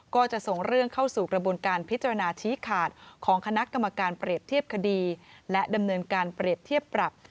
ก็จะส่งเรื่องเข้าสู่กระบวนการพิจารณาชี้ขาดของคณะกรรมการเปรียบเทียบคดีและดำเนินการเปรียบเทียบปรับ